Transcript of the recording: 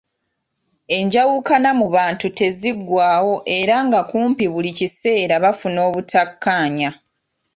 Enjawukana mu bantu teziggwaawo era nga kumpi buli kiseera bafuna obutakkaanya.